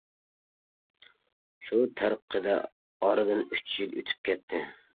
شۇ تەرىقىدە ئارىدىن ئۈچ يىل ئۆتۈپ كەتتى.